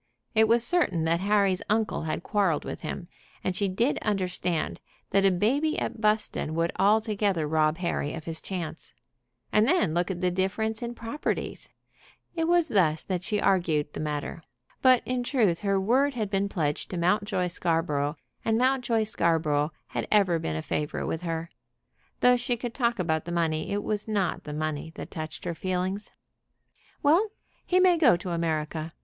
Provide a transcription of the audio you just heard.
It was certain that Harry's uncle had quarrelled with him, and she did understand that a baby at Buston would altogether rob Harry of his chance. And then look at the difference in the properties! It was thus that she argued the matter. But in truth her word had been pledged to Mountjoy Scarborough, and Mountjoy Scarborough had ever been a favorite with her. Though she could talk about the money, it was not the money that touched her feelings. "Well; he may go to America.